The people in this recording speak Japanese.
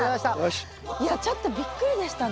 いやちょっとびっくりでしたね。